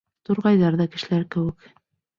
Турғайҙар ҙа кешеләр кеүек.